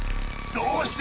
どうして？